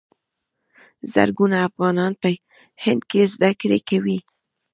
زرګونه افغانان په هند کې زده کړې کوي.